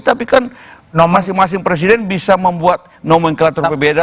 tapi kan masing masing presiden bisa membuat nomenklatur berbeda